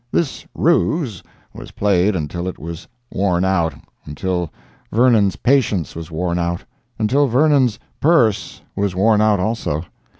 This ruse was played until it was worn out, until Vernon's patience was worn out, until Vernon's purse was worn out also.